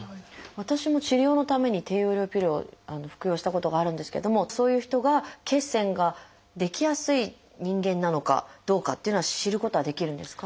私も治療のために低用量ピルを服用したことがあるんですけれどもそういう人が血栓が出来やすい人間なのかどうかというのは知ることはできるんですか？